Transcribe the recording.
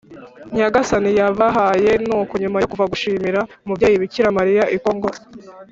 nyagasani yabahaye. nuko nyuma yo kuva gushimira umubyeyi bikira mariya i congo-